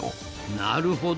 なるほど。